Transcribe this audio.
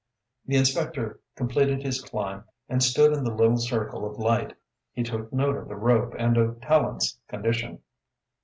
The inspector completed his climb and stood in the little circle of light. He took note of the rope and of Tallente's condition.